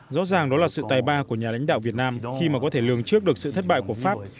rõ ràng đó là sự tài ba của nhà lãnh đạo việt nam khi mà có thể lường trước được sự thất bại của pháp